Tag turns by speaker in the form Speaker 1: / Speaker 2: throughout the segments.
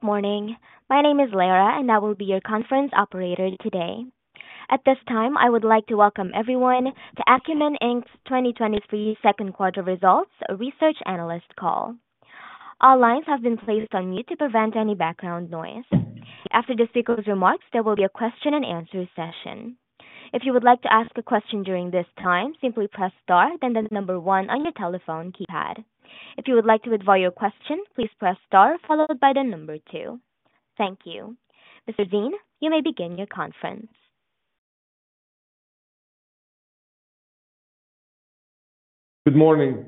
Speaker 1: Good morning. My name is Lara, and I will be your conference operator today. At this time, I would like to welcome everyone to Akumin Inc.'s 2023 second quarter results, a research analyst call. All lines have been placed on mute to prevent any background noise. After the speaker's remarks, there will be a question and answer session. If you would like to ask a question during this time, simply press star and then number one on your telephone keypad. If you would like to withdraw your question, please press star followed by number two. Thank you. Mr. Zine, you may begin your conference.
Speaker 2: Good morning,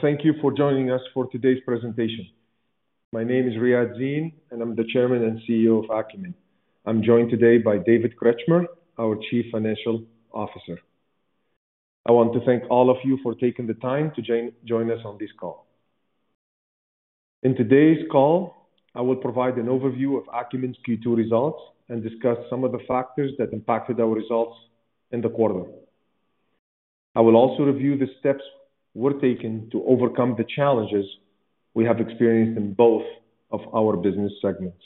Speaker 2: thank you for joining us for today's presentation. My name is Riadh Zine, and I'm the Chairman and CEO of Akumin. I'm joined today by David Kretschmer, our Chief Financial Officer. I want to thank all of you for taking the time to join us on this call. In today's call, I will provide an overview of Akumin's Q2 results and discuss some of the factors that impacted our results in the quarter. I will also review the steps we're taking to overcome the challenges we have experienced in both of our business segments.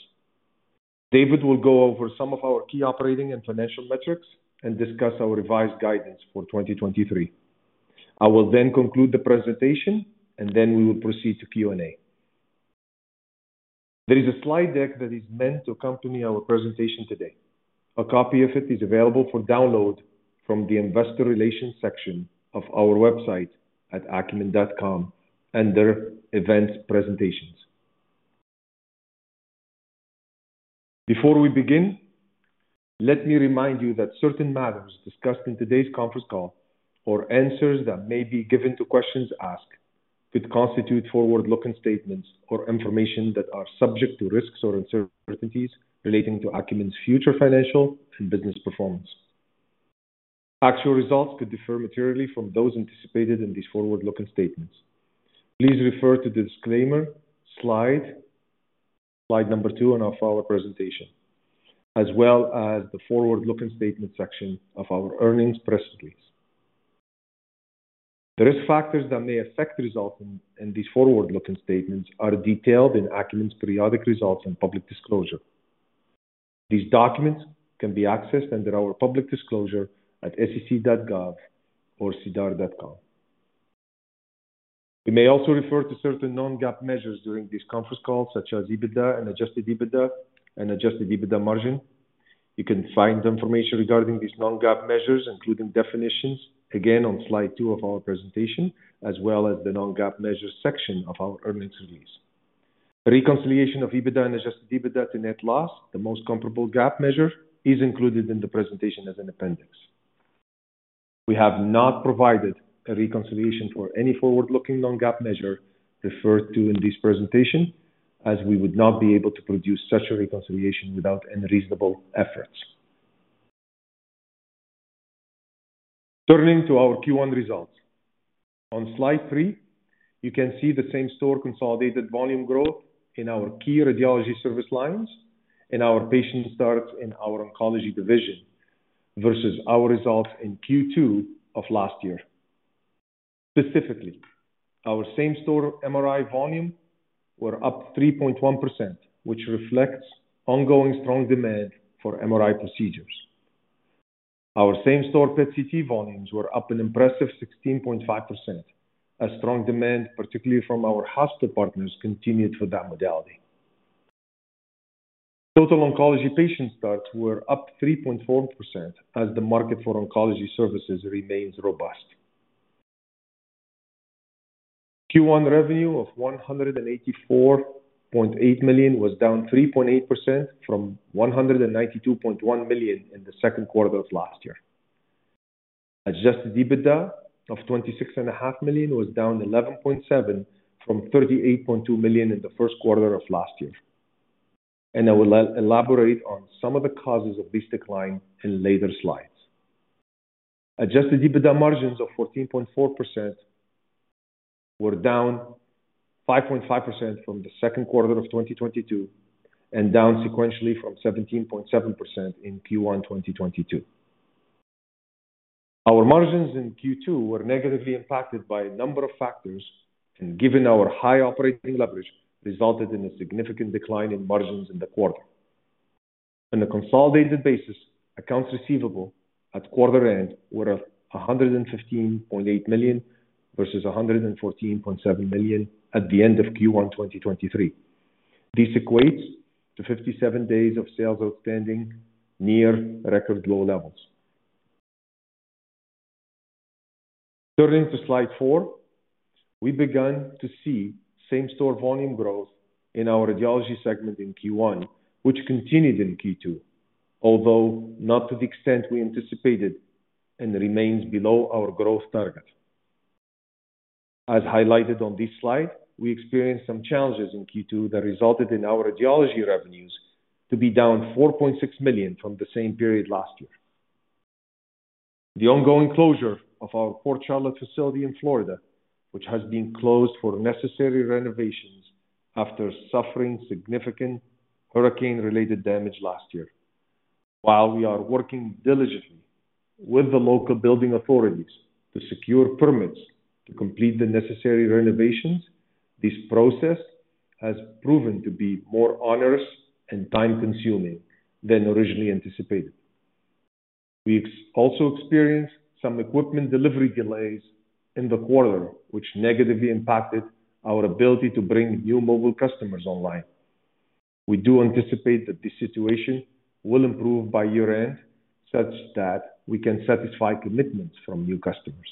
Speaker 2: David will go over some of our key operating and financial metrics and discuss our revised guidance for 2023. I will conclude the presentation, and then we will proceed to Q&A. There is a slide deck that is meant to accompany our presentation today. A copy of it is available for download from the investor relations section of our website at akumin.com, under events presentations. Before we begin, let me remind you that certain matters discussed in today's conference call or answers that may be given to questions asked could constitute forward-looking statements or information that are subject to risks or uncertainties relating to Akumin's future financial and business performance. Actual results could differ materially from those anticipated in these forward-looking statements. Please refer to the disclaimer slide, slide number two on our follow-up presentation, as well as the forward-looking statement section of our earnings press release. The risk factors that may affect the results in, in these forward-looking statements are detailed in Akumin's periodic results and public disclosure. These documents can be accessed under our public disclosure at sec.gov or sedar.com. We may also refer to certain non-GAAP measures during this conference call, such as EBITDA and Adjusted EBITDA and Adjusted EBITDA margin. You can find information regarding these non-GAAP measures, including definitions, again on slide two of our presentation, as well as the non-GAAP measures section of our earnings release. The reconciliation of EBITDA and Adjusted EBITDA to net loss, the most comparable GAAP measure, is included in the presentation as an appendix. We have not provided a reconciliation for any forward-looking non-GAAP measure referred to in this presentation, as we would not be able to produce such a reconciliation without any reasonable efforts. Turning to our Q1 results. On slide three, you can see the same-store consolidated volume growth in our key radiology service lines and our patient starts in our oncology division versus our results in Q2 of last year. Specifically, our same-store MRI volume were up 3.1%, which reflects ongoing strong demand for MRI procedures. Our same-store PET/CT volumes were up an impressive 16.5%, as strong demand, particularly from our hospital partners, continued for that modality. Total oncology patient starts were up 3.4% as the market for oncology services remains robust. Q1 revenue of $184.8 million was down 3.8% from $192.1 million in the second quarter of last year. Adjusted EBITDA of $26.5 million was down 11.7% from $38.2 million in the first quarter of last year, I will elaborate on some of the causes of this decline in later slides. Adjusted EBITDA margins of 14.4% were down 5.5% from the 2Q 2022 and down sequentially from 17.7% in Q1 2022. Our margins in Q2 were negatively impacted by a number of factors, and given our high operating leverage, resulted in a significant decline in margins in the quarter. On a consolidated basis, accounts receivable at quarter end were of $115.8 million versus $114.7 million at the end of Q1 2023. This equates to 57 days of sales outstanding, near record low levels. Turning to slide 4, we began to see same-store volume growth in our radiology segment in Q1, which continued in Q2, although not to the extent we anticipated and remains below our growth target. As highlighted on this slide, we experienced some challenges in Q2 that resulted in our radiology revenues to be down $4.6 million from the same period last year. The ongoing closure of our Port Charlotte facility in Florida, which has been closed for necessary renovations after suffering significant hurricane-related damage last year. While we are working diligently with the local building authorities to secure permits to complete the necessary renovations, this process has proven to be more onerous and time-consuming than originally anticipated. We also experienced some equipment delivery delays in the quarter, which negatively impacted our ability to bring new mobile customers online. We do anticipate that this situation will improve by year-end, such that we can satisfy commitments from new customers.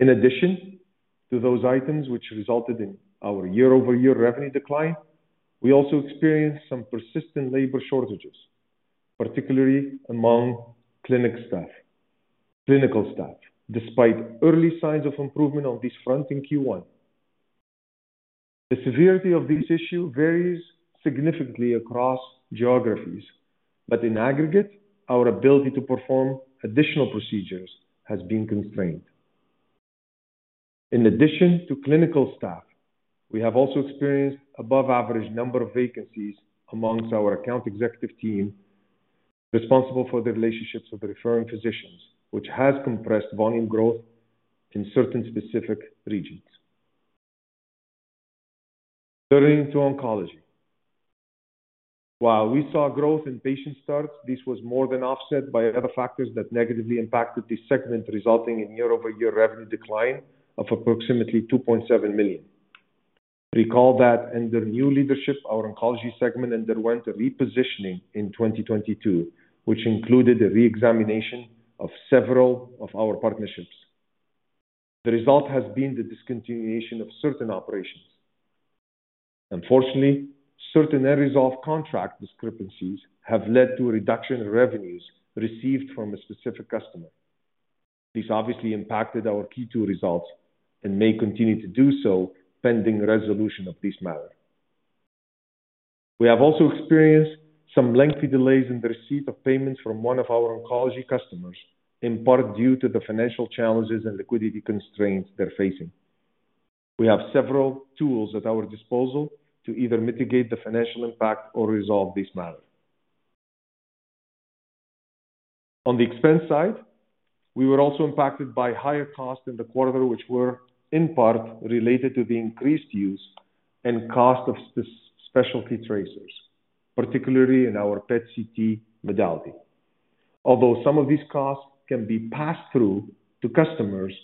Speaker 2: In addition to those items which resulted in our year-over-year revenue decline, we also experienced some persistent labor shortages, particularly among clinical staff, despite early signs of improvement on this front in Q1. The severity of this issue varies significantly across geographies, but in aggregate, our ability to perform additional procedures has been constrained. In addition to clinical staff, we have also experienced above average number of vacancies amongst our account executive team, responsible for the relationships with the referring physicians, which has compressed volume growth in certain specific regions. Turning to oncology. While we saw growth in patient starts, this was more than offset by other factors that negatively impacted this segment, resulting in year-over-year revenue decline of approximately $2.7 million. Recall that under new leadership, our oncology segment underwent a repositioning in 2022, which included a reexamination of several of our partnerships. The result has been the discontinuation of certain operations. Unfortunately, certain areas of contract discrepancies have led to a reduction in revenues received from a specific customer. This obviously impacted our Q2 results and may continue to do so pending resolution of this matter. We have also experienced some lengthy delays in the receipt of payments from one of our oncology customers, in part due to the financial challenges and liquidity constraints they're facing. We have several tools at our disposal to either mitigate the financial impact or resolve this matter. On the expense side, we were also impacted by higher costs in the quarter, which were in part related to the increased use and cost of specialty tracers, particularly in our PET/CT modality. Although some of these costs can be passed through to customers,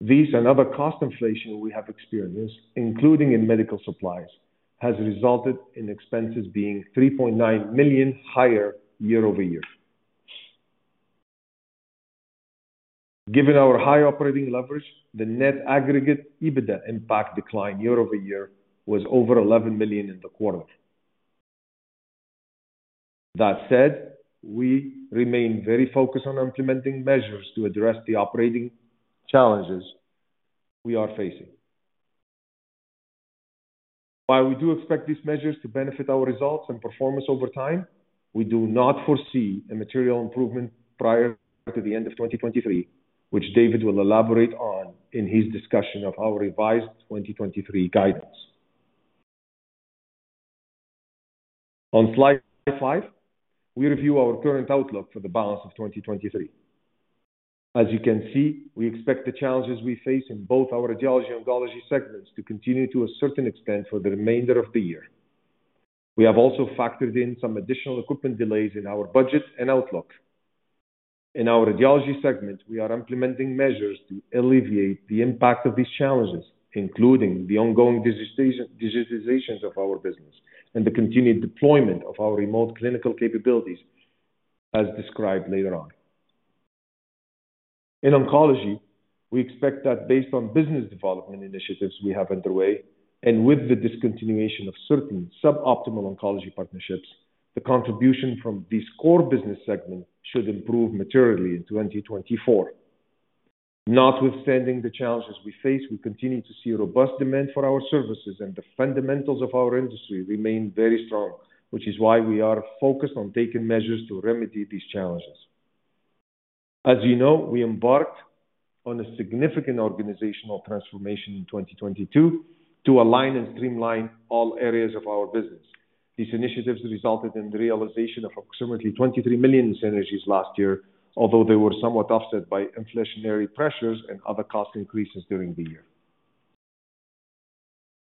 Speaker 2: these and other cost inflation we have experienced, including in medical supplies, has resulted in expenses being $3.9 million higher year-over-year. Given our high operating leverage, the net aggregate, EBITDA impact decline year-over-year was over $11 million in the quarter. That said, we remain very focused on implementing measures to address the operating challenges we are facing. While we do expect these measures to benefit our results and performance over time, we do not foresee a material improvement prior to the end of 2023, which David will elaborate on in his discussion of our revised 2023 guidance. On slide five, we review our current outlook for the balance of 2023. As you can see, we expect the challenges we face in both our radiology and oncology segments to continue to a certain extent for the remainder of the year. We have also factored in some additional equipment delays in our budget and outlook. In our radiology segment, we are implementing measures to alleviate the impact of these challenges, including the ongoing digitizations of our business and the continued deployment of our remote clinical capabilities, as described later on. In oncology, we expect that based on business development initiatives we have underway, and with the discontinuation of certain suboptimal oncology partnerships, the contribution from this core business segment should improve materially in 2024. Notwithstanding the challenges we face, we continue to see robust demand for our services, and the fundamentals of our industry remain very strong, which is why we are focused on taking measures to remedy these challenges. As you know, we embarked on a significant organizational transformation in 2022 to align and streamline all areas of our business. These initiatives resulted in the realization of approximately $23 million synergies last year, although they were somewhat offset by inflationary pressures and other cost increases during the year.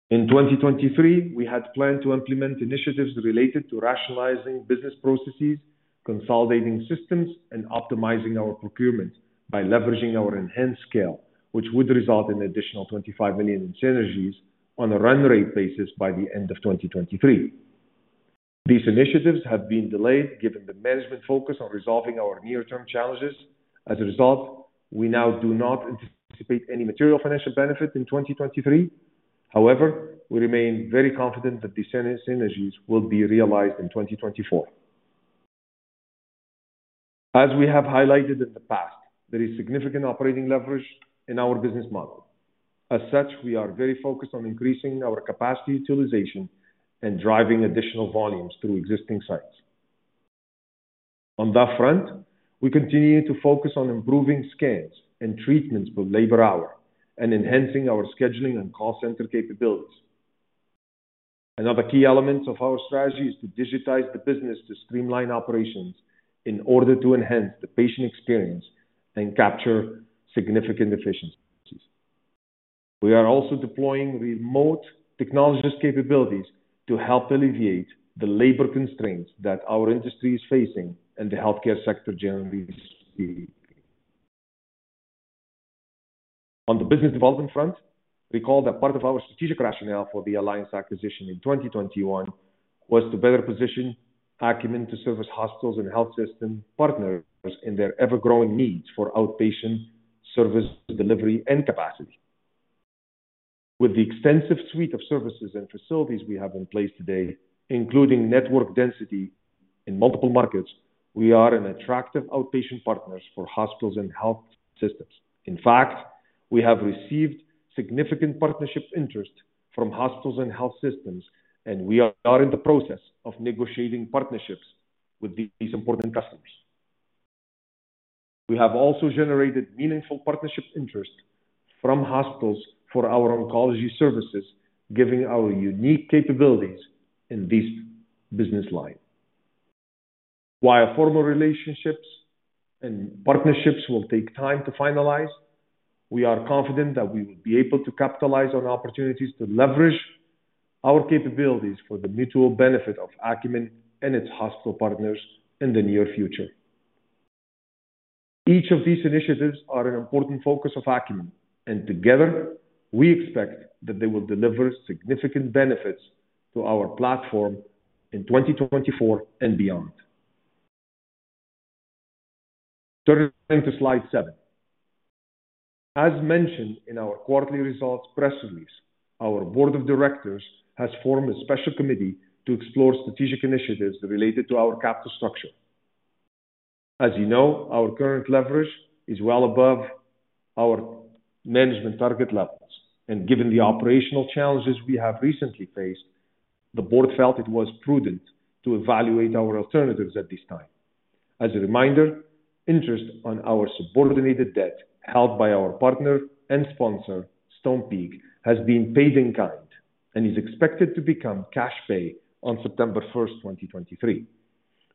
Speaker 2: In 2023, we had planned to implement initiatives related to rationalizing business processes, consolidating systems, and optimizing our procurement by leveraging our enhanced scale, which would result in additional $25 million in synergies on a run rate basis by the end of 2023. These initiatives have been delayed, given the management focus on resolving our near-term challenges. As a result, we now do not anticipate any material financial benefit in 2023. However, we remain very confident that these synergies will be realized in 2024. As we have highlighted in the past, there is significant operating leverage in our business model. As such, we are very focused on increasing our capacity utilization and driving additional volumes through existing sites. On that front, we continue to focus on improving scans and treatments per labor hour and enhancing our scheduling and call center capabilities. Another key element of our strategy is to digitize the business to streamline operations in order to enhance the patient experience and capture significant efficiencies. We are also deploying remote technologies capabilities to help alleviate the labor constraints that our industry is facing and the healthcare sector generally is seeing. On the business development front, we call that part of our strategic rationale for the Alliance acquisition in 2021, was to better position Akumin to service hospitals and health system partners in their ever-growing needs for outpatient service delivery and capacity. With the extensive suite of services and facilities we have in place today, including network density in multiple markets, we are an attractive outpatient partners for hospitals and health systems. In fact, we have received significant partnership interest from hospitals and health systems, and we are in the process of negotiating partnerships with these important customers. We have also generated meaningful partnership interest from hospitals for our oncology services, giving our unique capabilities in this business line. While formal relationships and partnerships will take time to finalize, we are confident that we will be able to capitalize on opportunities to leverage our capabilities for the mutual benefit of Akumin and its hospital partners in the near future. Each of these initiatives are an important focus of Akumin, and together, we expect that they will deliver significant benefits to our platform in 2024 and beyond. Turning to slide seven. As mentioned in our quarterly results press release, our board of directors has formed a special committee to explore strategic initiatives related to our capital structure. As you know, our current leverage is well above our management target levels, and given the operational challenges we have recently faced, the board felt it was prudent to evaluate our alternatives at this time. As a reminder, interest on our subordinated debt, held by our partner and sponsor, Stonepeak, has been paid in kind and is expected to become cash pay on September 1st, 2023.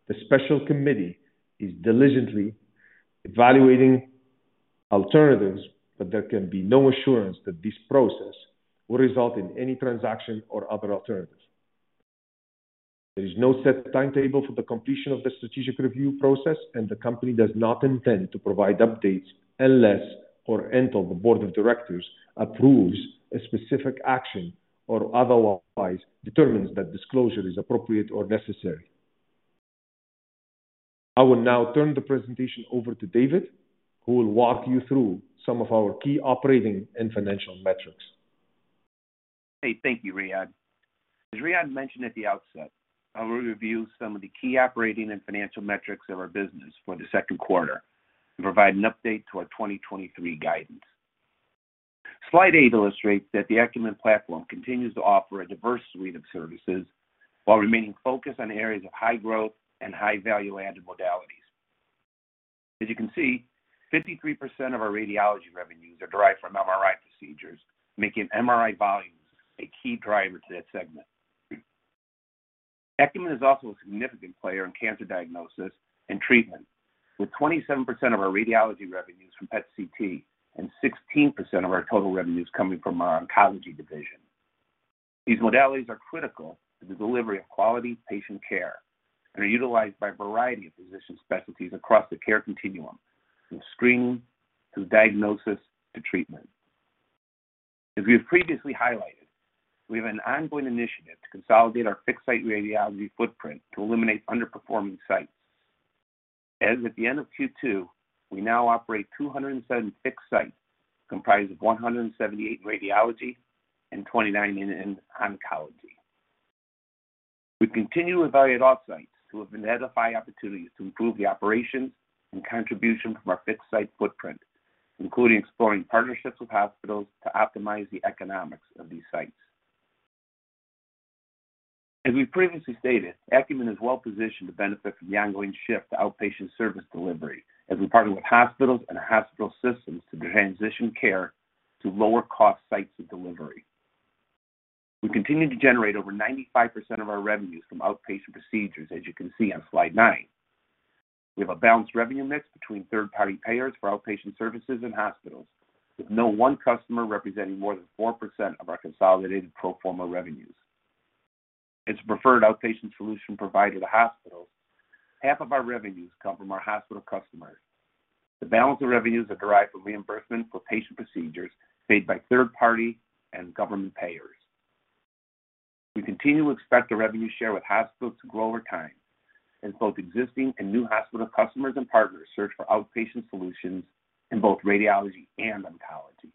Speaker 2: The special committee is diligently evaluating alternatives, but there can be no assurance that this process will result in any transaction or other alternatives. There is no set timetable for the completion of the strategic review process. The company does not intend to provide updates unless or until the board of directors approves a specific action or otherwise determines that disclosure is appropriate or necessary. I will now turn the presentation over to David, who will walk you through some of our key operating and financial metrics.
Speaker 3: Hey, thank you, Riadh. As Riadh mentioned at the outset, I will review some of the key operating and financial metrics of our business for the second quarter and provide an update to our 2023 guidance. Slide 8 illustrates that the Akumin platform continues to offer a diverse suite of services while remaining focused on areas of high growth and high value added modalities. As you can see, 53% of our radiology revenues are derived from MRI procedures, making MRI volumes a key driver to that segment. Akumin is also a significant player in cancer diagnosis and treatment, with 27% of our radiology revenues from PET/CT and 16% of our total revenues coming from our oncology division. These modalities are critical to the delivery of quality patient care and are utilized by a variety of physician specialties across the care continuum, from screening to diagnosis to treatment. As we have previously highlighted, we have an ongoing initiative to consolidate our fixed-site radiology footprint to eliminate underperforming sites. As at the end of Q2, we now operate 276 sites, comprised of 178 radiology and 29 in oncology. We continue to evaluate all sites to identify opportunities to improve the operations and contribution from our fixed site footprint, including exploring partnerships with hospitals to optimize the economics of these sites. As we previously stated, Akumin is well positioned to benefit from the ongoing shift to outpatient service delivery as we partner with hospitals and hospital systems to transition care to lower-cost sites of delivery. We continue to generate over 95% of our revenues from outpatient procedures, as you can see on slide nine. We have a balanced revenue mix between third-party payers for outpatient services and hospitals, with no one customer representing more than 4% of our consolidated pro forma revenues. As a preferred outpatient solution provider to hospitals, half of our revenues come from our hospital customers. The balance of revenues are derived from reimbursement for patient procedures paid by third party and government payers. We continue to expect the revenue share with hospitals to grow over time as both existing and new hospital customers and partners search for outpatient solutions in both radiology and oncology.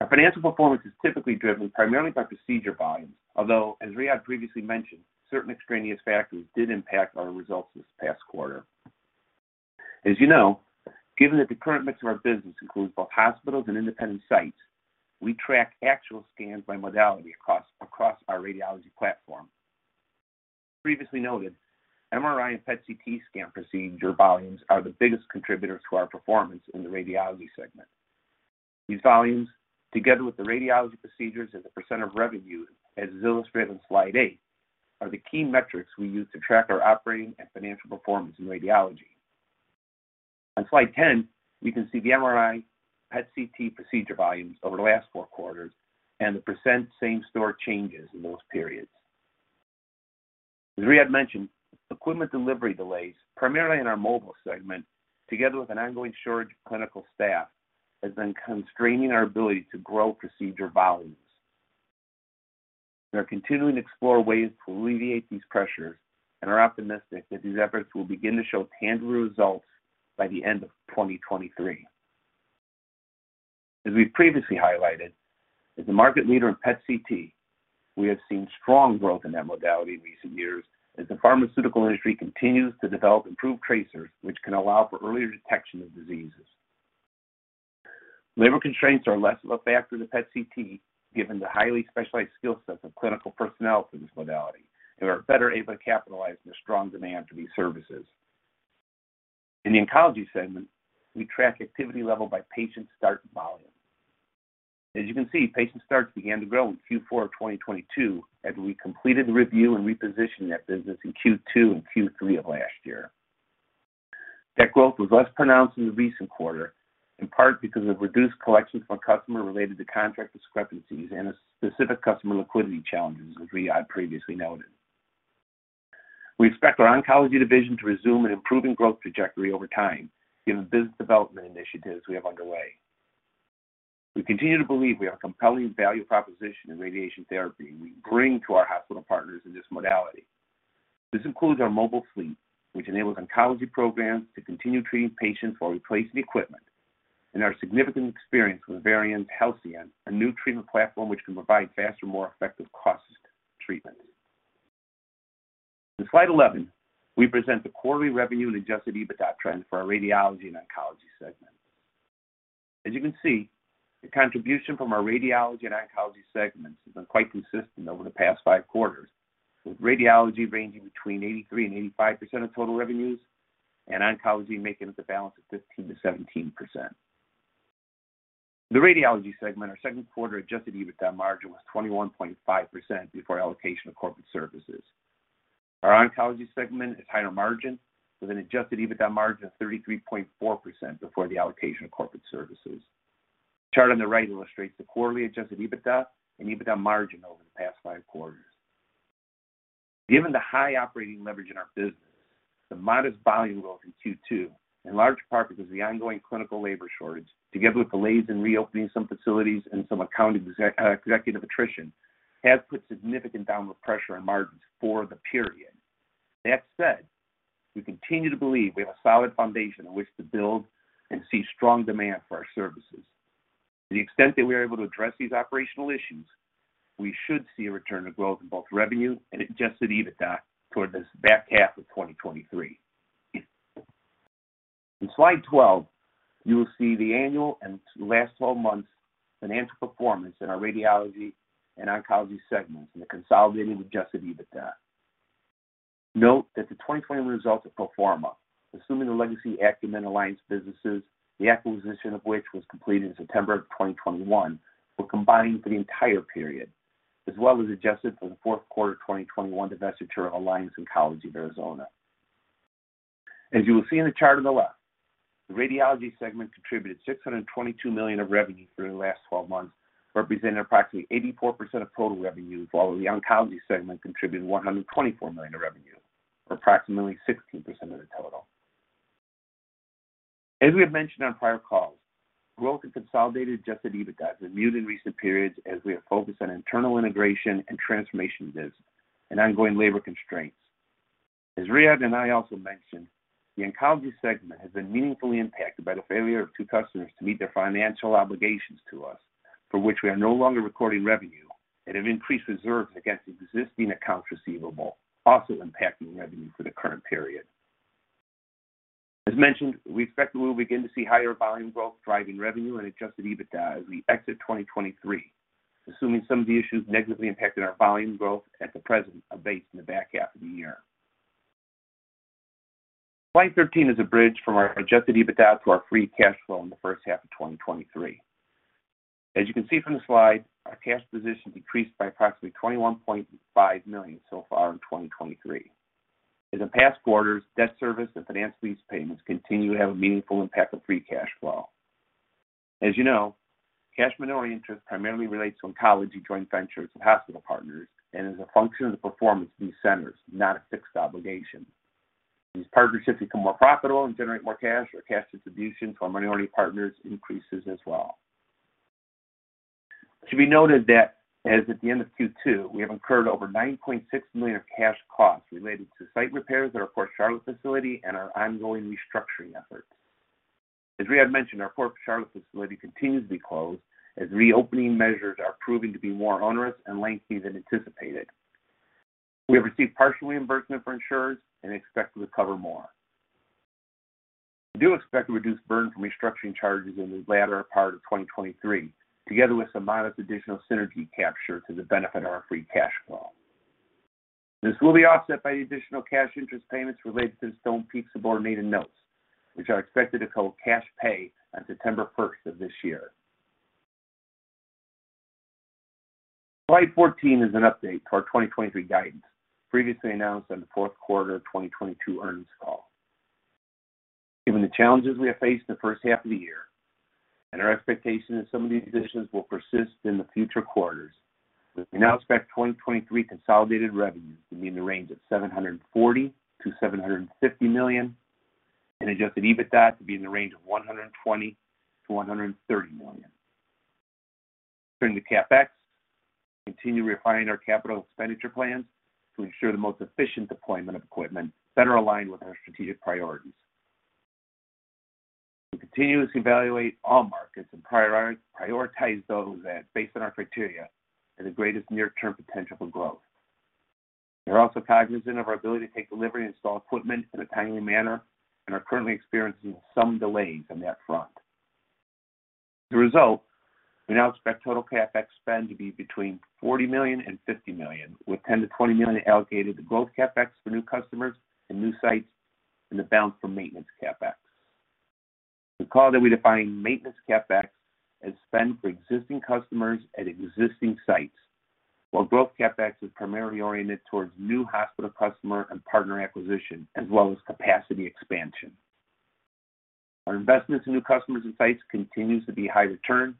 Speaker 3: Our financial performance is typically driven primarily by procedure volumes, although, as Riadh previously mentioned, certain extraneous factors did impact our results this past quarter.... As you know, given that the current mix of our business includes both hospitals and independent sites, we track actual scans by modality across our radiology platform. As previously noted, MRI and PET CT scan procedure volumes are the biggest contributors to our performance in the radiology segment. These volumes, together with the radiology procedures and the % of revenue, as illustrated in Slide 8, are the key metrics we use to track our operating and financial performance in radiology. On Slide 10, we can see the MRI, PET CT procedure volumes over the last four quarters and the % same store changes in those periods. As Riadh mentioned, equipment delivery delays, primarily in our mobile segment, together with an ongoing shortage of clinical staff, has been constraining our ability to grow procedure volumes. We are continuing to explore ways to alleviate these pressures and are optimistic that these efforts will begin to show tangible results by the end of 2023. As we've previously highlighted, as a market leader in PET/CT, we have seen strong growth in that modality in recent years as the pharmaceutical industry continues to develop improved tracers, which can allow for earlier detection of diseases. Labor constraints are less of a factor to PET/CT, given the highly specialized skill sets of clinical personnel for this modality, and are better able to capitalize on the strong demand for these services. In the oncology segment, we track activity level by patient start volume. As you can see, patient starts began to grow in Q4 of 2022 as we completed the review and repositioned that business in Q2 and Q3 of last year. That growth was less pronounced in the recent quarter, in part because of reduced collections from a customer related to contract discrepancies and a specific customer liquidity challenges, as Riadh previously noted. We expect our oncology division to resume an improving growth trajectory over time, given the business development initiatives we have underway. We continue to believe we have a compelling value proposition in radiation therapy we bring to our hospital partners in this modality. This includes our mobile fleet, which enables oncology programs to continue treating patients while replacing equipment, and our significant experience with Varian Halcyon, a new treatment platform which can provide faster, more effective cost treatment. In Slide 11, we present the quarterly revenue and Adjusted EBITDA trend for our radiology and oncology segment. As you can see, the contribution from our radiology and oncology segments has been quite consistent over the past five quarters, with radiology ranging between 83%-85% of total revenues, and oncology making up the balance of 15%-17%. The radiology segment, our second quarter Adjusted EBITDA margin was 21.5% before allocation of corporate services. Our oncology segment is higher margin, with an Adjusted EBITDA margin of 33.4% before the allocation of corporate services. The chart on the right illustrates the quarterly Adjusted EBITDA and EBITDA margin over the past five quarters. Given the high operating leverage in our business, the modest volume growth in Q2, in large part because the ongoing clinical labor shortage, together with delays in reopening some facilities and some accounting executive attrition, has put significant downward pressure on margins for the period. That said, we continue to believe we have a solid foundation on which to build and see strong demand for our services. To the extent that we are able to address these operational issues, we should see a return to growth in both revenue and Adjusted EBITDA toward this back half of 2023. In Slide 12, you will see the annual and last 12 months financial performance in our radiology and oncology segments and the consolidated Adjusted EBITDA. Note that the 2020 results are pro forma, assuming the legacy Akumin Alliance businesses, the acquisition of which was completed in September of 2021, were combined for the entire period, as well as adjusted for the fourth quarter of 2021 divestiture of Alliance Oncology of Arizona. As you will see in the chart on the left, the radiology segment contributed $622 million of revenue through the last 12 months, representing approximately 84% of total revenue, while the oncology segment contributed $124 million of revenue, or approximately 16% of the total. As we have mentioned on prior calls, growth in consolidated Adjusted EBITDA has been muted in recent periods as we are focused on internal integration and transformation business and ongoing labor constraints. As Riadh and I also mentioned, the oncology segment has been meaningfully impacted by the failure of two customers to meet their financial obligations to us, for which we are no longer recording revenue and have increased reserves against existing accounts receivable, also impacting revenue for the current period. As mentioned, we expect that we will begin to see higher volume growth driving revenue and Adjusted EBITDA as we exit 2023, assuming some of the issues negatively impacting our volume growth at the present are based in the back half of the year. Slide 13 is a bridge from our Adjusted EBITDA to our free cash flow in the first half of 2023. As you can see from the slide, our cash position decreased by approximately $21.5 million so far in 2023. As in past quarters, debt service and finance lease payments continue to have a meaningful impact on free cash flow. As you know, cash minority interest primarily relates to oncology joint ventures with hospital partners and is a function of the performance of these centers, not a fixed obligation. These partnerships become more profitable and generate more cash, or cash distribution to our minority partners increases as well. It should be noted that as of the end of Q2, we have incurred over $9.6 million of cash costs related to site repairs at our Port Charlotte facility and our ongoing restructuring efforts. As Riadh mentioned, our Port Charlotte facility continues to be closed as reopening measures are proving to be more onerous and lengthy than anticipated. We have received partial reimbursement from insurers and expect to recover more. We do expect to reduce burden from restructuring charges in the latter part of 2023, together with some modest additional synergy capture to the benefit of our free cash flow. This will be offset by the additional cash interest payments related to the Stonepeak subordinated notes, which are expected to call cash pay on September 1st of this year. Slide 14 is an update to our 2023 guidance, previously announced on the fourth quarter of 2022 earnings call. Given the challenges we have faced in the first half of the year, and our expectation that some of these positions will persist in the future quarters, we now expect 2023 consolidated revenues to be in the range of $740 million-$750 million, and Adjusted EBITDA to be in the range of $120 million-$130 million. Turning to CapEx, we continue refining our capital expenditure plans to ensure the most efficient deployment of equipment better aligned with our strategic priorities. We continuously evaluate all markets and prioritize those that, based on our criteria, have the greatest near-term potential for growth. We're also cognizant of our ability to take delivery and install equipment in a timely manner and are currently experiencing some delays on that front. As a result, we now expect total CapEx spend to be between $40 million and $50 million, with $10 million to $20 million allocated to growth CapEx for new customers and new sites, and the balance for maintenance CapEx. We define maintenance CapEx as spend for existing customers at existing sites, while growth CapEx is primarily oriented towards new hospital customer and partner acquisition, as well as capacity expansion. Our investments in new customers and sites continues to be high return,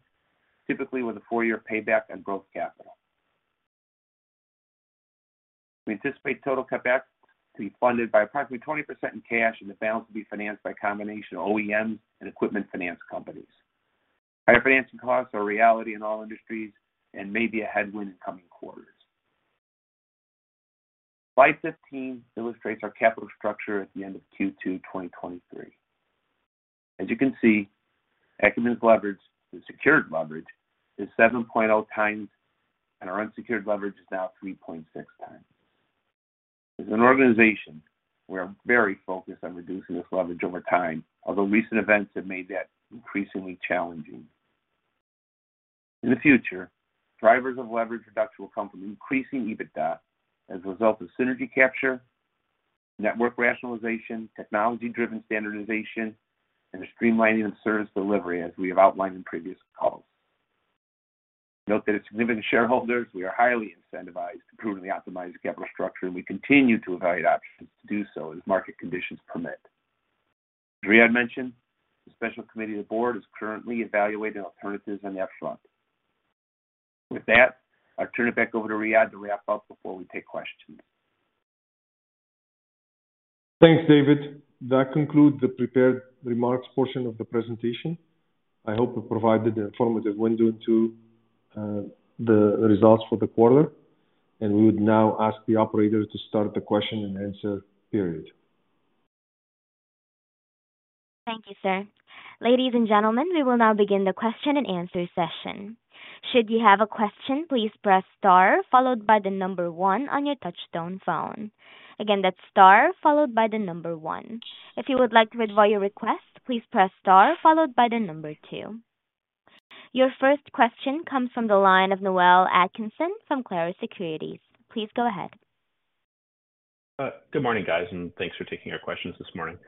Speaker 3: typically with a four-year payback on growth capital. We anticipate total CapEx to be funded by approximately 20% in cash, and the balance will be financed by a combination of OEMs and equipment finance companies. Higher financing costs are a reality in all industries and may be a headwind in coming quarters. Slide 15 illustrates our capital structure at the end of Q2 2023. As you can see, Akumin's leverage, the secured leverage, is 7.0 times, and our unsecured leverage is now 3.6 times. As an organization, we are very focused on reducing this leverage over time, although recent events have made that increasingly challenging. In the future, drivers of leverage reduction will come from increasing EBITDA as a result of synergy capture, network rationalization, technology-driven standardization, and the streamlining of service delivery, as we have outlined in previous calls. Note that as significant shareholders, we are highly incentivized to continuously optimize capital structure. We continue to evaluate options to do so as market conditions permit. As Riadh mentioned, the special committee of the board is currently evaluating alternatives on that front. With that, I'll turn it back over to Riadh to wrap up before we take questions.
Speaker 2: Thanks, David. That concludes the prepared remarks portion of the presentation. I hope we provided an informative window into the results for the quarter. We would now ask the operator to start the question and answer period.
Speaker 1: Thank you, sir. Ladies and gentlemen, we will now begin the question and answer session. Should you have a question, please press star followed by one on your touchtone phone. Again, that's star followed by one. If you would like to withdraw your request, please press star followed by two. Your first question comes from the line of Noel Atkinson from Clarus Securities. Please go ahead.
Speaker 4: Good morning, guys, thanks for taking our questions this morning.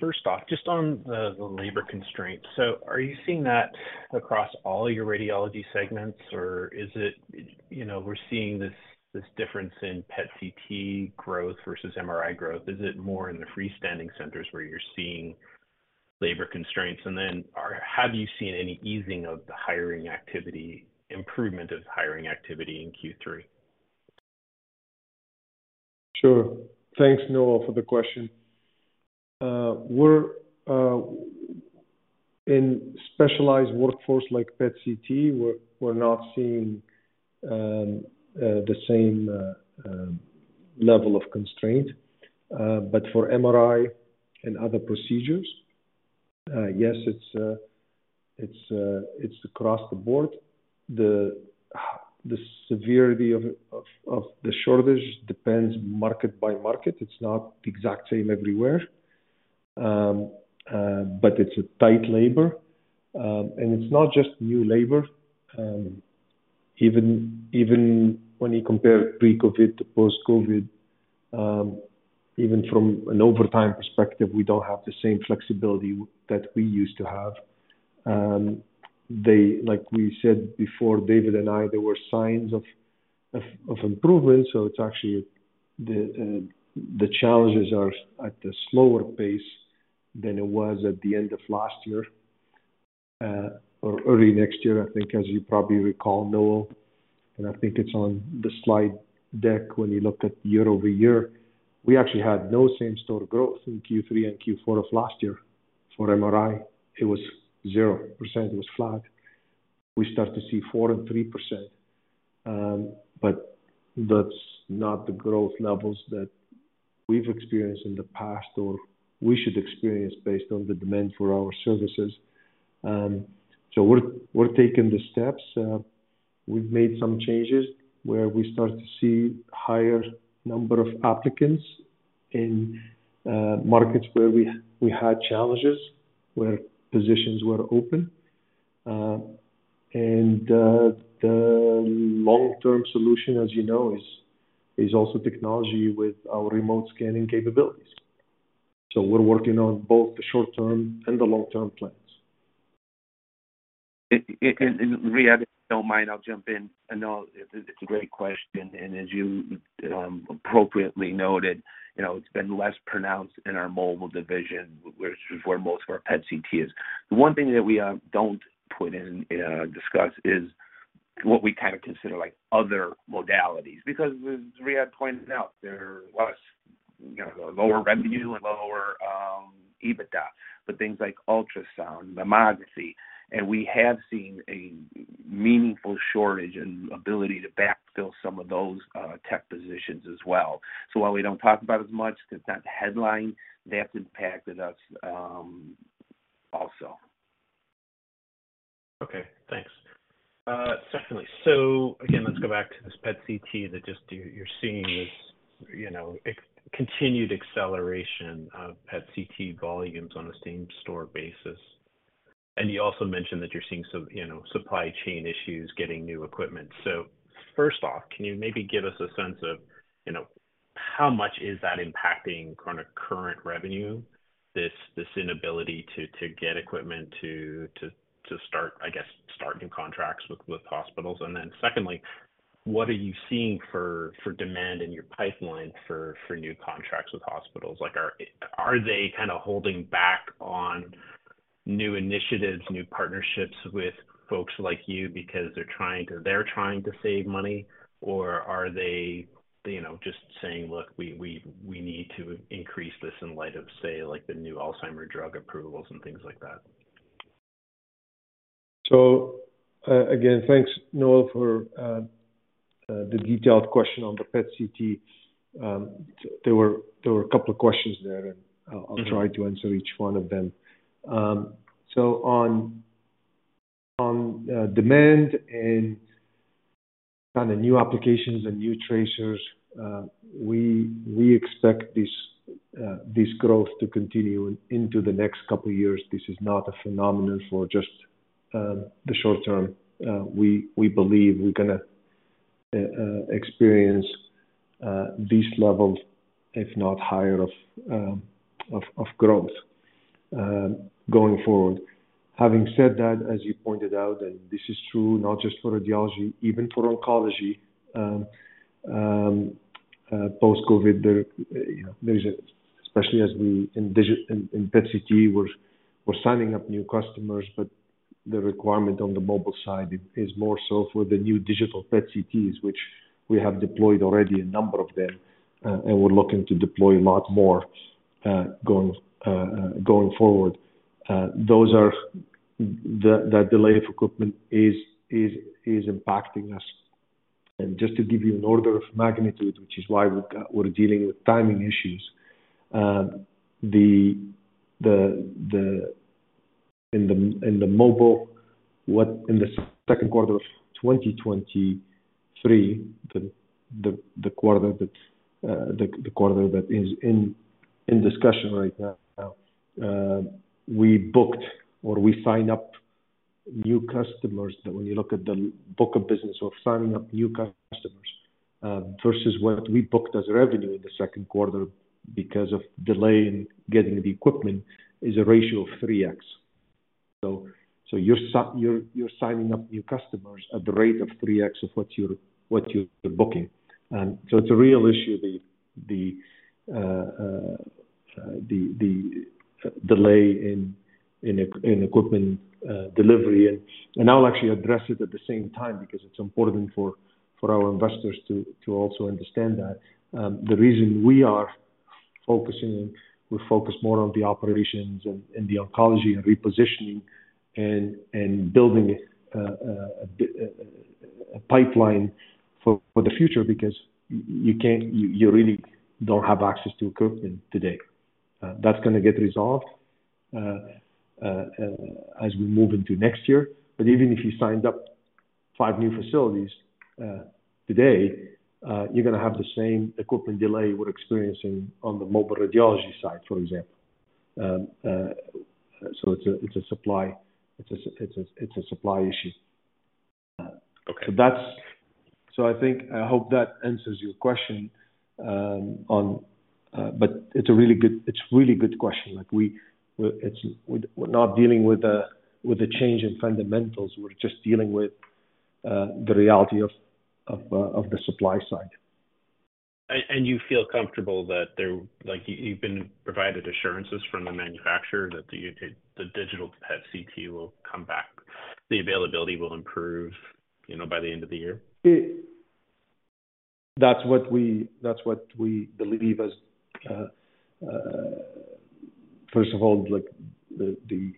Speaker 4: First off, just on the labor constraints. Are you seeing that across all your radiology segments, or is it, you know, we're seeing this, this difference in PET/CT growth versus MRI growth? Is it more in the freestanding centers where you're seeing labor constraints? Have you seen any easing of the hiring activity, improvement of hiring activity in Q3?
Speaker 2: Sure. Thanks, Noel, for the question. We're in specialized workforce like PET/CT, we're not seeing the same level of constraint. But for MRI and other procedures, yes, it's, it's across the board. The severity of the shortage depends market by market. It's not the exact same everywhere. But it's a tight labor. And it's not just new labor. Even, even when you compare pre-COVID to post-COVID, even from an overtime perspective, we don't have the same flexibility that we used to have. They, like we said before, David and I, there were signs of improvement, so it's actually the challenges are at a slower pace than it was at the end of last year, or early next year, I think, as you probably recall, Noel, and I think it's on the slide deck when you looked at year-over-year. We actually had no same store growth in Q3 and Q4 of last year for MRI. It was 0%. It was flat. We start to see 4% and 3%, but that's not the growth levels that we've experienced in the past, or we should experience based on the demand for our services. We're, we're taking the steps. We've made some changes where we start to see higher number of applicants in markets where we had challenges, where positions were open. The long-term solution, as you know, is also technology with our remote scanning capabilities. We're working on both the short-term and the long-term plans.
Speaker 3: Riadh, if you don't mind, I'll jump in. I know it, it's a great question, and as you appropriately noted, you know, it's been less pronounced in our mobile division, which is where most of our PET/CT is. The one thing that we don't put in discuss is what we kind of consider, like, other modalities, because as Riadh pointed out, there was, you know, lower revenue and lower EBITDA, but things like ultrasound, mammography, and we have seen a meaningful shortage and ability to backfill some of those tech positions as well. While we don't talk about it as much, 'cause not headline, that's impacted us also.
Speaker 4: Okay, thanks. Definitely. Let's go back to this PET/CT that just you, you're seeing this, you know, continued acceleration of PET/CT volumes on a same-store basis. You also mentioned that you're seeing some, you know, supply chain issues getting new equipment. First off, can you maybe give us a sense of, you know, how much is that impacting kind of current revenue, this, this inability to, to get equipment to, to, to start, I guess, start new contracts with, with hospitals? Then secondly, what are you seeing for, for demand in your pipeline for, for new contracts with hospitals? Like, are they kind of holding back on new initiatives, new partnerships with folks like you because they're trying to save money? Are they, you know, just saying, "Look, we, we, we need to increase this in light of, say, like, the new Alzheimer's drug approvals and things like that?
Speaker 2: Again, thanks, Noel, for the detailed question on the PET/CT. There were a couple of questions there, and I'll try to answer each one of them. On demand and kind of new applications and new tracers, we expect this growth to continue into the next couple of years. This is not a phenomenon for just the short term. We believe we're gonna experience these levels, if not higher, of growth going forward. Having said that, as you pointed out, and this is true not just for radiology, even for oncology, post-COVID, there, you know, there's especially as we in PET/CT, we're, we're signing up new customers, but the requirement on the mobile side is more so for the new digital PET/CTs, which we have deployed already a number of them, and we're looking to deploy a lot more, going forward. Those are the... the delay of equipment is, is, is impacting us. Just to give you an order of magnitude, which is why we're, we're dealing with timing issues, the, the, the, in the, in the mobile, in the second quarter of 2023, the, the, the quarter that, the, the quarter that is in, in discussion right now, we booked or we signed up new customers that when you look at the book of business or signing up new customers, versus what we booked as revenue in the second quarter because of delay in getting the equipment, is a ratio of 3x. You're, you're signing up new customers at the rate of 3x of what you're, what you're booking. It's a real issue, the, the, the, the delay in, in equipment delivery. I'll actually address it at the same time because it's important for our investors to also understand that the reason we are focusing, we're focused more on the operations and the oncology and repositioning and building a pipeline for the future because you can't. You really don't have access to equipment today. That's gonna get resolved as we move into next year. Even if you signed up five new facilities today, you're gonna have the same equipment delay we're experiencing on the mobile radiology side, for example. It's a supply issue.
Speaker 4: Okay.
Speaker 2: I think, I hope that answers your question, on. It's a really good, it's a really good question. Like, we, we're, we're not dealing with a, with a change in fundamentals. We're just dealing with, the reality of, of, of the supply side.
Speaker 4: And you feel comfortable that there, like, you've been provided assurances from the manufacturer that the digital PET/CT will come back, the availability will improve, you know, by the end of the year?...
Speaker 2: That's what we, that's what we believe as, first of all, like, the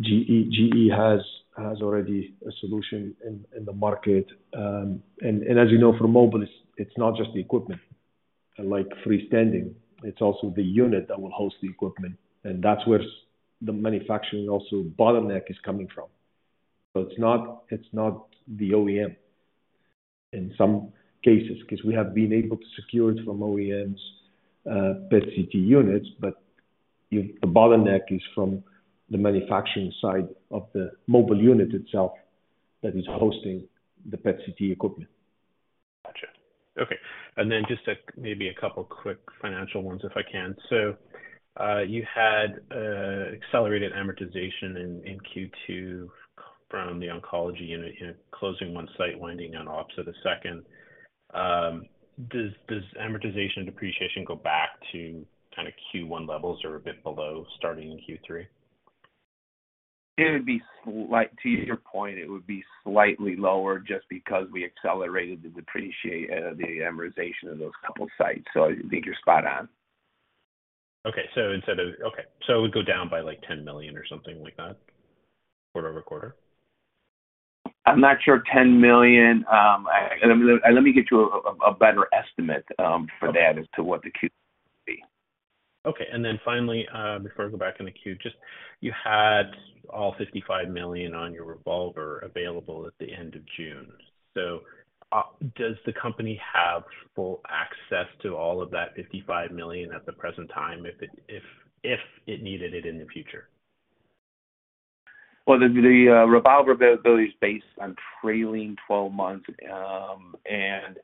Speaker 2: GE has already a solution in, in the market. As you know, for mobile, it's, it's not just the equipment, unlike freestanding, it's also the unit that will host the equipment, and that's where the manufacturing also bottleneck is coming from. It's not, it's not the OEM in some cases, 'cause we have been able to secure it from OEMs, PET/CT units, but the bottleneck is from the manufacturing side of the mobile unit itself that is hosting the PET/CT equipment.
Speaker 4: Gotcha. Okay, just a, maybe a couple quick financial ones, if I can. You had accelerated amortization in Q2 from the oncology unit, you know, closing one site, winding down ops of the second. Does amortization and depreciation go back to kind of Q1 levels or a bit below, starting in Q3?
Speaker 3: To your point, it would be slightly lower just because we accelerated the amortization of those couple sites. I think you're spot on.
Speaker 4: Okay, it would go down by like $10 million or something like that, quarter-over-quarter?
Speaker 3: I'm not sure, $10 million. Let me get you a better estimate.
Speaker 4: Okay.
Speaker 3: for that as to what the Q will be.
Speaker 4: Okay. Then finally, before I go back in the queue, just, you had all $55 million on your revolver available at the end of June. Does the company have full access to all of that $55 million at the present time, if it, if, if it needed it in the future?
Speaker 3: Well, the, the, revolver availability is based on trailing 12 months, and,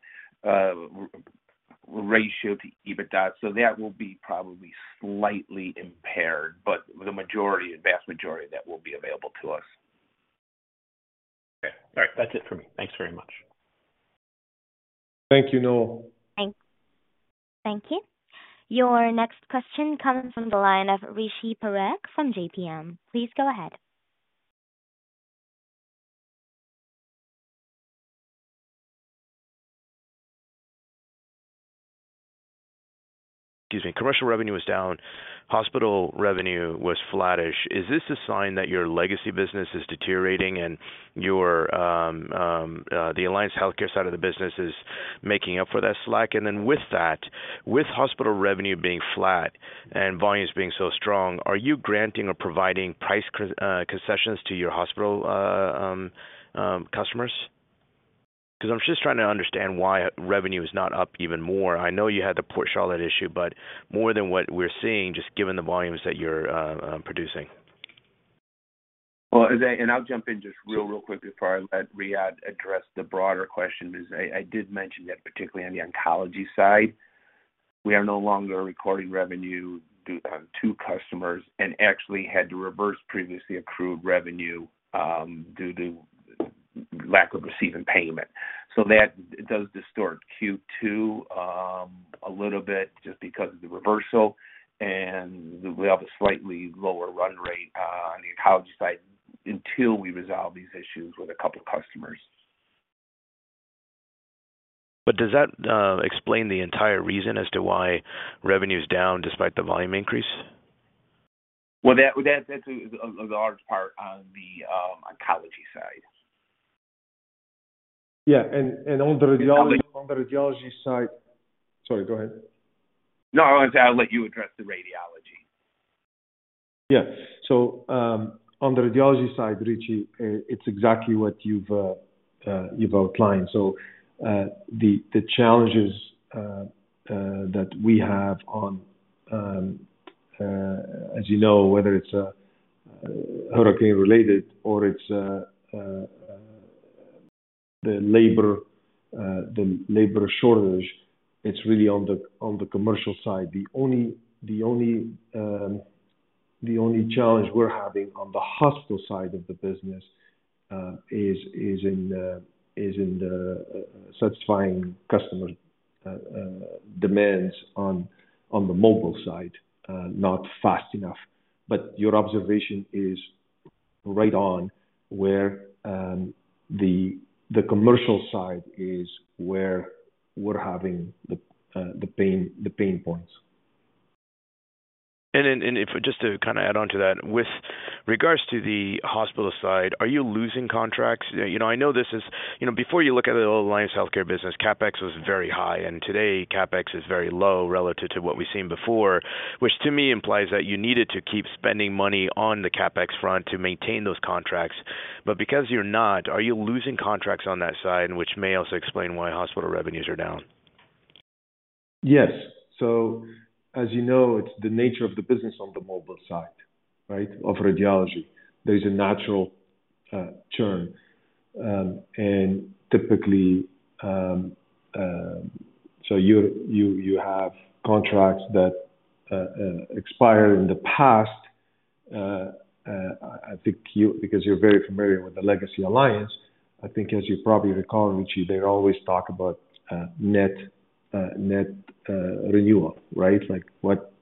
Speaker 3: ratio to EBITDA, so that will be probably slightly impaired, but the majority, the vast majority of that will be available to us.
Speaker 4: Okay. All right. That's it for me. Thanks very much.
Speaker 2: Thank you, Noel.
Speaker 1: Thank you. Your next question comes from the line of Rishi Parekh from J.P. Morgan. Please go ahead.
Speaker 5: Excuse me. Commercial revenue was down, hospital revenue was flattish. Is this a sign that your legacy business is deteriorating and your the Alliance HealthCare side of the business is making up for that slack? With that, with hospital revenue being flat and volumes being so strong, are you granting or providing price concessions to your hospital customers? I'm just trying to understand why revenue is not up even more. I know you had the Port Charlotte issue, more than what we're seeing, just given the volumes that you're producing.
Speaker 3: I'll jump in just real, real quick before I let Riadh address the broader question, is I, I did mention that particularly on the oncology side, we are no longer recording revenue due to customers and actually had to reverse previously accrued revenue due to lack of receiving payment. That does distort Q2 a little bit just because of the reversal, and we have a slightly lower run rate on the oncology side until we resolve these issues with a couple of customers.
Speaker 5: Does that explain the entire reason as to why revenue is down despite the volume increase?
Speaker 3: Well, that, that, that's a, a large part on the oncology side.
Speaker 2: Yeah, and on the radiology-
Speaker 3: On the-
Speaker 2: On the radiology side... Sorry, go ahead.
Speaker 3: No, I was gonna let you address the radiology.
Speaker 2: Yeah. On the radiology side, Rishi, it's exactly what you've, you've outlined. The, the challenges that we have on, as you know, whether it's hurricane-related or it's the labor, the labor shortage, it's really on the, on the commercial side. The only, the only, the only challenge we're having on the hospital side of the business, is, is in the, is in the, satisfying customer demands on, on the mobile side, not fast enough. But your observation is right on, where, the commercial side is where we're having the, the pain, the pain points.
Speaker 5: If... Just to kind of add on to that, with regards to the hospital side, are you losing contracts? You know, I know. You know, before you look at the Alliance HealthCare business, CapEx was very high, and today CapEx is very low relative to what we've seen before, which to me implies that you needed to keep spending money on the CapEx front to maintain those contracts. Because you're not, are you losing contracts on that side, and which may also explain why hospital revenues are down?
Speaker 2: Yes. As you know, it's the nature of the business on the mobile side, right, of radiology. There's a natural churn, and typically, you have contracts that expire in the past. I think you, because you're very familiar with the legacy Alliance, I think as you probably recall, Rishi, they always talk about net, net renewal, right? Like, what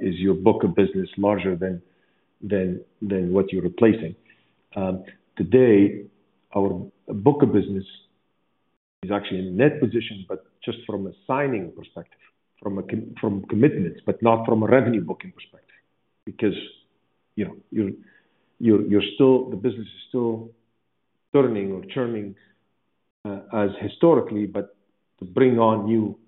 Speaker 2: is your book of business larger than what you're replacing. Today, our book of business is actually in net position, but just from a signing perspective, from commitments, but not from a revenue booking perspective. Because, you know, you're still the business is still turning or churning, as historically, but to bring on new, new,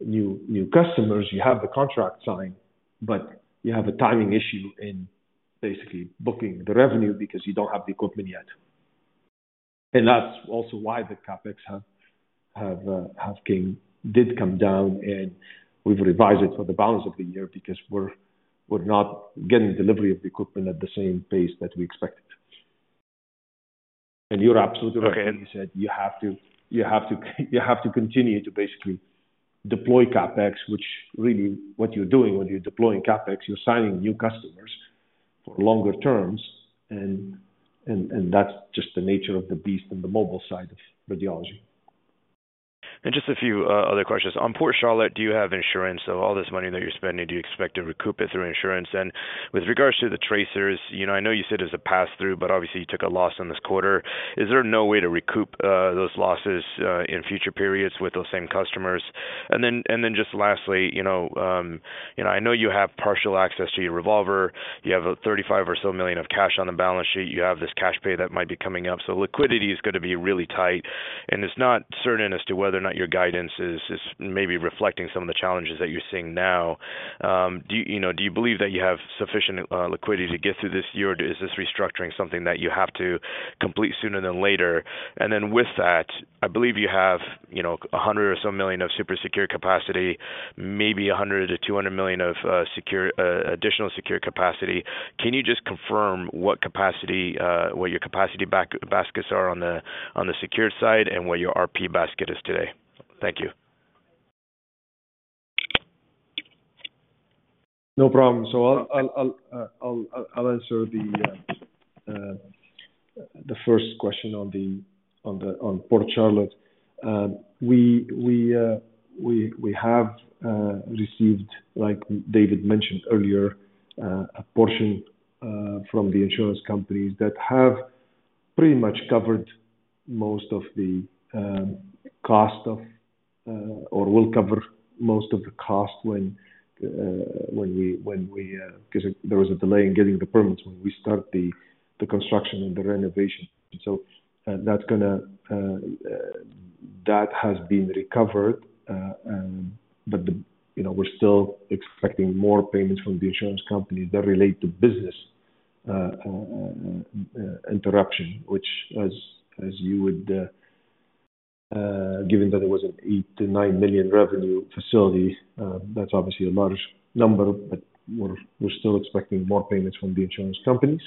Speaker 2: new customers, you have the contract signed, but you have a timing issue in basically booking the revenue because you don't have the equipment yet. That's also why the CapEx did come down, and we've revised it for the balance of the year because we're not getting delivery of the equipment at the same pace that we expected. You're absolutely right, you said you have to continue to basically deploy CapEx, which really what you're doing when you're deploying CapEx, you're signing new customers for longer terms, and, and, and that's just the nature of the beast on the mobile side of radiology.
Speaker 5: Just a few other questions. On Port Charlotte, do you have insurance? All this money that you're spending, do you expect to recoup it through insurance? With regards to the tracers, you know, I know you said it's a pass-through, but obviously you took a loss on this quarter. Is there no way to recoup those losses in future periods with those same customers? Just lastly, you know, you know, I know you have partial access to your revolver. You have $35 million or so of cash on the balance sheet. You have this cash pay that might be coming up, so liquidity is gonna be really tight, and it's not certain as to whether or not your guidance is, is maybe reflecting some of the challenges that you're seeing now. Do you, you know, do you believe that you have sufficient liquidity to get through this year, or is this restructuring something that you have to complete sooner than later? Then with that, I believe you have, you know, $100 million or so of super secure capacity, maybe $100 million to $200 million of secure, additional secure capacity. Can you just confirm what capacity, what your capacity baskets are on the secure side and what your RP basket is today? Thank you.
Speaker 2: No problem. I'll answer the first question on the, on the, on Port Charlotte. We, we, we, we have received, like David mentioned earlier, a portion from the insurance companies that have pretty much covered most of the cost of or will cover most of the cost when when we, when we, 'cause there was a delay in getting the permits, when we start the construction and the renovation. That's gonna... That has been recovered, but, you know, we're still expecting more payments from the insurance companies that relate to business interruption, which as, as you would, given that it was an $8 million to $9 million revenue facility, that's obviously a large number, but we're, we're still expecting more payments from the insurance companies.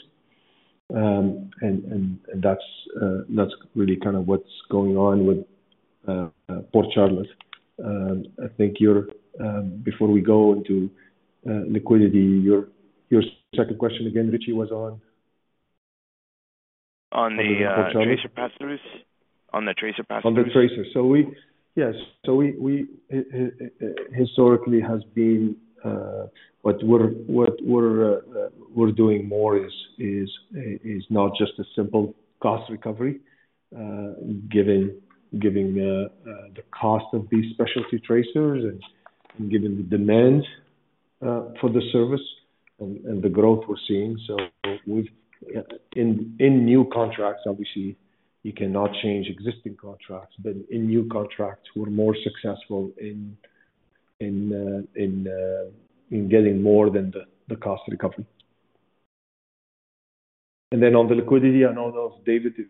Speaker 2: And, and that's, that's really kind of what's going on with Port Charlotte. I think you're, before we go into liquidity, your, your second question again, Rishi, was on?
Speaker 5: On the,
Speaker 2: Port Charlotte...
Speaker 5: tracer pass-throughs. On the tracer pass-throughs.
Speaker 2: On the tracers. We... Yes, so we, we historically has been, but we're, what we're doing more is, is not just a simple cost recovery, given, given the cost of these specialty tracers and given the demand for the service and, and the growth we're seeing. We've in new contracts, obviously, you cannot change existing contracts, but in new contracts, we're more successful in, in, in getting more than the, the cost recovery. Then on the liquidity, I don't know if, David, if,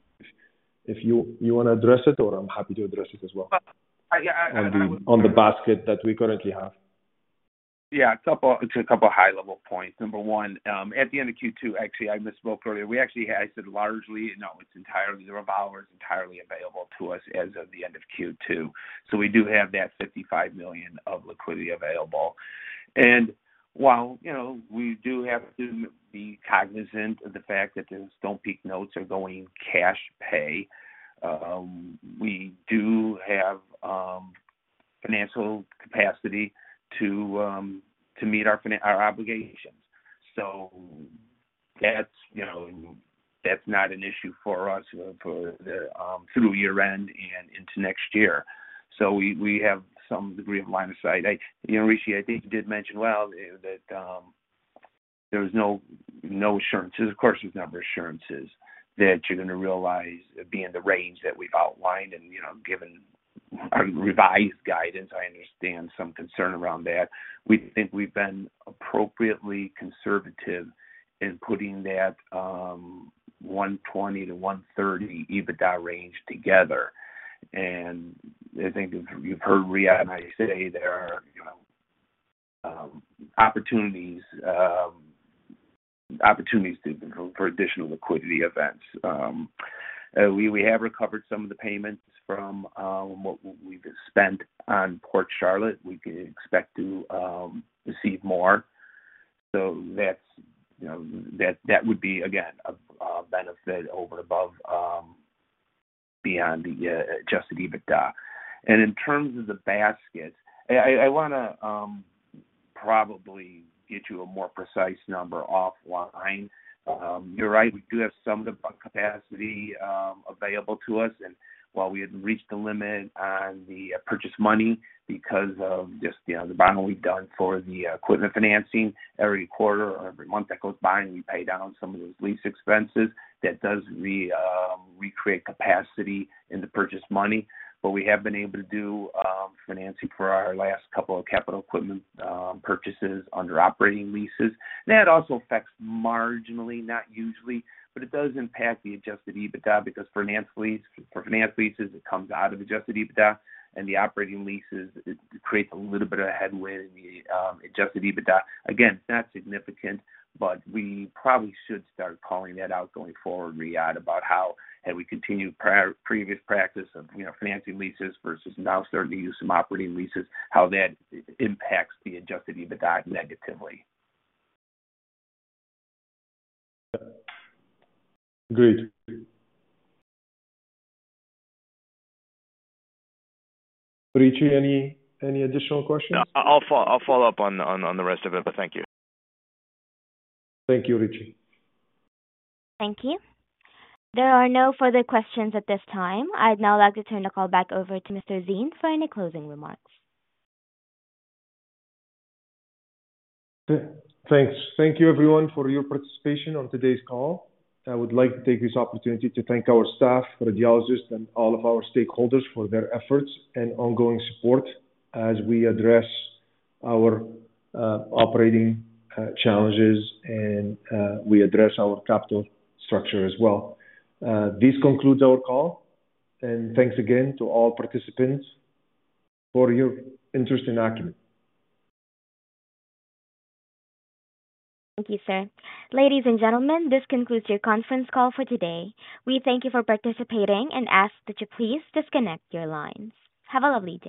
Speaker 2: if you, you want to address it, or I'm happy to address it as well.
Speaker 3: Uh, I, I, I-
Speaker 2: On the, on the basket that we currently have.
Speaker 3: Yeah, it's a couple, it's a couple of high-level points. Number one, at the end of Q2, actually, I misspoke earlier. We actually had... I said, largely, no, it's entirely, the revolver is entirely available to us as of the end of Q2. We do have that $55 million of liquidity available. While, you know, we do have to be cognizant of the fact that the Stonepeak notes are going cash pay, we do have financial capacity to meet our obligations. That's, you know, that's not an issue for us for the through year-end and into next year. We, we have some degree of line of sight. I, you know, Rishi, I think you did mention well, that there was no, no assurances. Of course, there's no assurances that you're gonna realize be in the range that we've outlined and, you know, given our revised guidance, I understand some concern around that. We think we've been appropriately conservative in putting that $120-$130 EBITDA range together. I think you've, you've heard Riadh and I say there are, you know, opportunities, opportunities to, for additional liquidity events. We, we have recovered some of the payments from what we've spent on Port Charlotte. We can expect to receive more. That's, you know, that, that would be, again, a, a benefit over and above beyond the Adjusted EBITDA. In terms of the basket, I, I wanna probably get you a more precise number offline. You're right, we do have some of the capacity available to us, and while we hadn't reached the limit on the purchase money because of just, you know, the bonding we've done for the equipment financing, every quarter or every month that goes by, and we pay down some of those lease expenses, that does recreate capacity in the purchase money. We have been able to do financing for our last two of capital equipment purchases under operating leases. That also affects marginally, not usually, but it does impact the Adjusted EBITDA because finance lease, for finance leases, it comes out of Adjusted EBITDA, and the operating leases, it creates a little bit of a headwind in the Adjusted EBITDA. It's not significant, but we probably should start calling that out going forward, Riadh, about how have we continued previous practice of, you know, financing leases versus now starting to use some operating leases, how that impacts the Adjusted EBITDA negatively.
Speaker 2: Agreed. Rishi, any, any additional questions?
Speaker 5: I'll follow, I'll follow up on, on, on the rest of it, but thank you.
Speaker 2: Thank you, Rishi.
Speaker 1: Thank you. There are no further questions at this time. I'd now like to turn the call back over to Mr. Zine for any closing remarks.
Speaker 2: Thanks. Thank you, everyone, for your participation on today's call. I would like to take this opportunity to thank our staff, radiologists, and all of our stakeholders for their efforts and ongoing support as we address our operating challenges and we address our capital structure as well. This concludes our call, and thanks again to all participants for your interest in Akumin.
Speaker 1: Thank you, sir. Ladies and gentlemen, this concludes your conference call for today. We thank you for participating and ask that you please disconnect your lines. Have a lovely day.